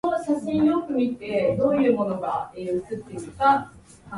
ムルシア県の県都はムルシアである